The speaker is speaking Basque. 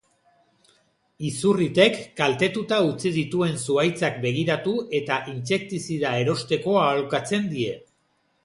Izurritek kaltetuta utzi dituen zuhaitzak begiratu, eta intsektizida erosteko aholkatzen die.